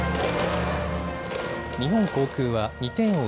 日本航空は２点を追う